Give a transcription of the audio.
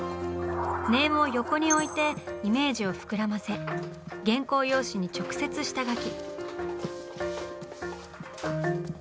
ネームを横に置いてイメージを膨らませ原稿用紙に直接下描き。